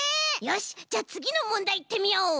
よしじゃあつぎのもんだいいってみよう！